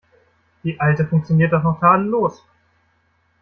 Die alte funktioniert doch noch tadellos.